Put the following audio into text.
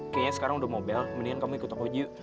kayanya sekarang udah mau bel mendingan kamu ikut aku uji yuk